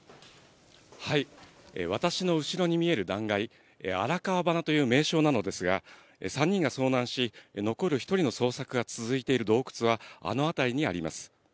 私の後ろに見える断崖、新川鼻という名勝なのですが、３人が遭難し、残る１人の捜索が続いている洞窟はあの辺りにあります。